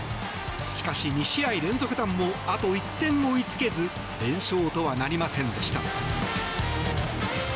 しかし、２試合連続弾もあと１点追いつけず連勝とはなりませんでした。